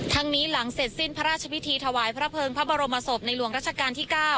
นี้หลังเสร็จสิ้นพระราชพิธีถวายพระเภิงพระบรมศพในหลวงรัชกาลที่๙